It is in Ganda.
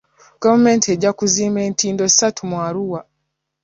Gavumenti ejja kuzimba entindo ssatu mu Arua.